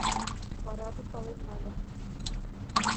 варажым пален нальым